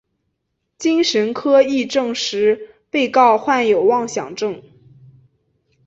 精神科医生亦证实被告患有妄想症。